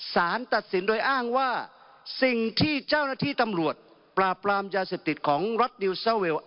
สารตัดสินโดยอ้างว่าสิ่งที่เจ้าหน้าที่ตำรวจปราบปรามยาเสพติดของรัฐนิวเซอร์เวล